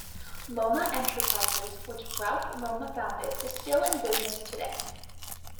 Lomma Enterprises, which Ralph Lomma founded, is still in business today.